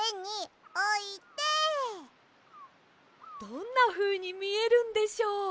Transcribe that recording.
どんなふうにみえるんでしょう？